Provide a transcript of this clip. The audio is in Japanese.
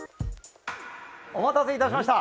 お待たせいたしました。